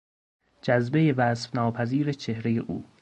جذبهی وصف ناپذیر چهرهی او